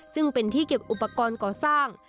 ซึ่งเป็นที่เก็บอุปกรณ์ก่อสร้าง